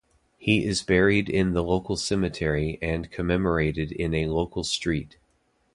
He is buried in the local cemetery and commemorated in a local street.